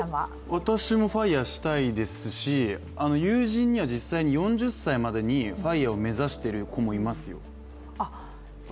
私もＦＩＲＥしたいですし友人には実際に４０歳までにＦＩＲＥを目指している子もいますよ。